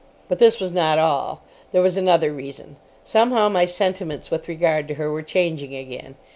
But this was not all. There was another reason. Somehow my sentiments with regard to her were changing again.